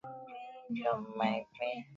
na ameweza kufanya miaka miwili na miezi sita